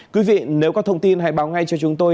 quý vị nếu có thông tin hãy báo ngay cho chúng tôi